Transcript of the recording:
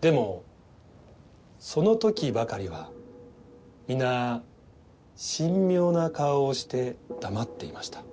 でもその時ばかりは皆神妙な顔をして黙っていました。